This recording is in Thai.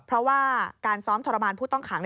เพราะว่าการซ้อมทรมานผู้ต้องขัง